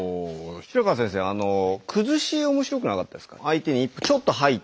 白川先生崩し面白くなかったですか？